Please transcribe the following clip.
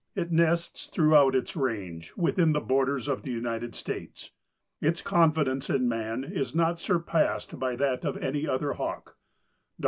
It nests throughout its range within the borders of the United States. Its confidence in man is not surpassed by that of any other hawk. Dr.